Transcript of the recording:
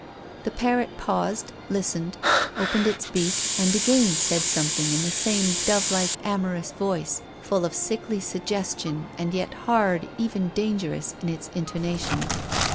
The parrot paused, listened, opened his beak, and again said some thing in the same dove like, amorous voice, full of sickly suggestion and yet hard, even danger ous, in its intonation.